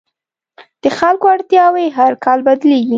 د خلکو اړتیاوې هر کال بدلېږي.